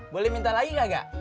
boleh minta lagi gak